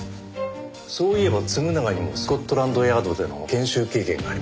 そういえば嗣永にもスコットランドヤードでの研修経験があります。